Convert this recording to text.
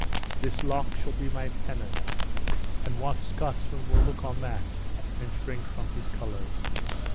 This lock shall be my pennon; and what Scotsman will look on that, and shrink from his colors!